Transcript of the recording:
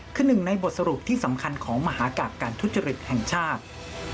คือหนึ่งในบทสรุปที่สำคัญของมหากราบการทุจริตแห่งชาติ